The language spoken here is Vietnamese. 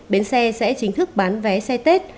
bến xe sẽ chính thức bán vé xe tết